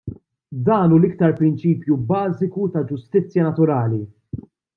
Dan hu l-iktar prinċipju bażiku ta' ġustizzja naturali!